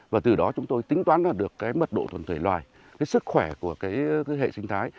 và từ đó chúng tôi tính toán vào được cái mật độ thuần thể loài cái sức khỏe của cái hệ sinh thái